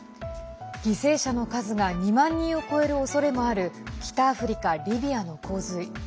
犠牲者の数が２万人を超えるおそれもある北アフリカ・リビアの洪水。